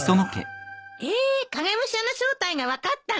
えーっ影武者の正体が分かったの？